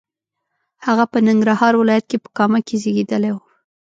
هغه په ننګرهار ولایت په کامه کې زیږېدلی و.